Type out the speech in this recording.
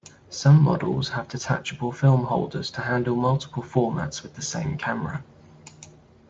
Some models have detachable film holders to handle multiple formats with the same camera.